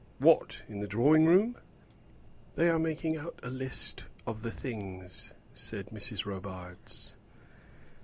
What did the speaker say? "What, in the drawing room?" "They are making out a list of the things," said Mrs. Robarts.